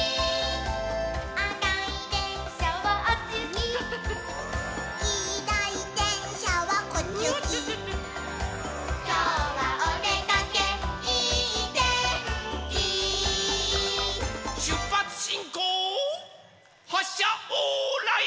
「あかいでんしゃはあっちゆき」「きいろいでんしゃはこっちゆき」「きょうはおでかけいいてんき」しゅっぱつしんこうはっしゃオーライ。